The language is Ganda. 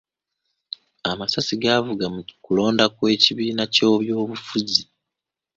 Amasasi gaavuga mu kulonda kw'ekibiina ky'ebyobufuzi.